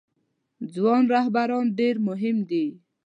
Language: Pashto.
ځوان رهبران ډیر مهم دي